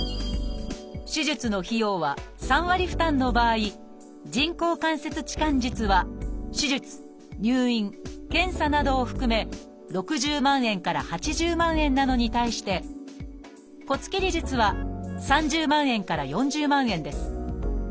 手術の費用は３割負担の場合人工関節置換術は手術入院検査などを含め６０万円から８０万円なのに対して骨切り術は３０万円から４０万円です。